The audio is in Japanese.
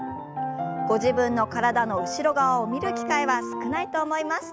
ご自分の体の後ろ側を見る機会は少ないと思います。